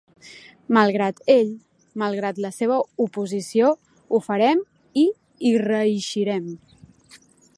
Malgrat ell, malgrat la seva oposició, ho farem i hi reeixirem.